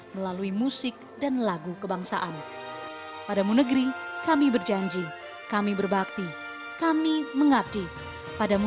melalui musik dan lagu kebangsaan padamu negeri kami berjanji kami berbakti kami mengabdi padamu